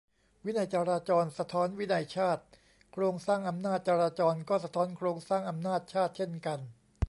"วินัยจราจร สะท้อนวินัยชาติ" ? โครงสร้างอำนาจจราจร ก็สะท้อนโครงสร้างอำนาจชาติ เช่นกัน ?